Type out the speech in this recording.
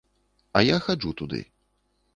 А я хаджу туды.